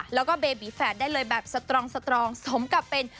แล้วก็เบบีแฝดได้เลยแบบสตรองสตรองสมกับเป็น